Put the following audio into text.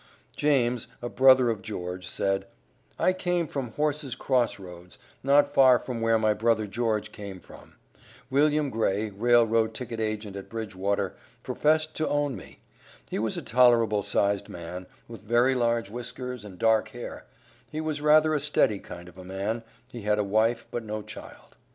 James, a brother of George, said: "I came from Horse's Cross Roads, not far from where my brother George came from. William Gray, rail road ticket agent at Bridgewater, professed to own me. He was a tolerable sized man, with very large whiskers, and dark hair; he was rather a steady kind of a man, he had a wife, but no child.